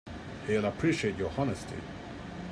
He'll appreciate your honesty.